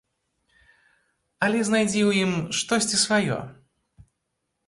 Але знайдзі ў ім штосьці сваё.